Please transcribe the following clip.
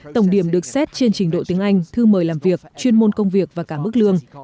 tổng điểm được xét trên trình độ tiếng anh thư mời làm việc chuyên môn công việc và cả mức lương